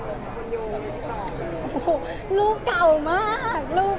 โอ้โฮรูปเก่ามาก